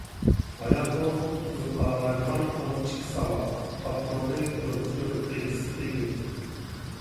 «ھاياتىڭىزنى قۇتقۇزۇپ قالالايدىغان ئون ئىككى ساۋاق»، ئاپتورى: دوكتور ئېدىس ئېگىر.